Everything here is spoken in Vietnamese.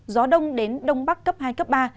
gió đông đến đông bắc cấp hai cấp ba